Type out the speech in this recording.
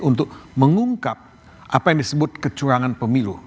untuk mengungkap apa yang disebut kecurangan pemilu